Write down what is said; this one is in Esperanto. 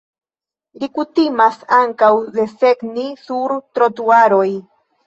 Li kutimas ankaŭ desegni sur trotuaroj.